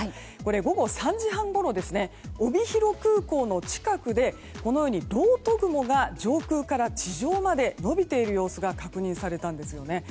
午後３時半ごろ帯広空港の近くでろうと雲が上空から地上まで伸びているような様子が確認されたんですね。